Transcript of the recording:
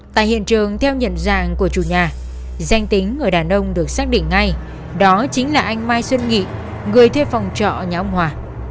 tại hiện trường theo nhận dạng của chủ nhà danh tính người đàn ông được xác định ngay đó chính là anh mai xuân nghị người thuê phòng trọ nhà ông hòa